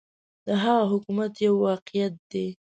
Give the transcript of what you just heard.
د هغه حکومت یو واقعیت دی.